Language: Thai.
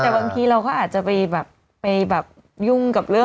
แต่บางทีเราก็อาจจะไปแบบไปแบบยุ่งกับเรื่อง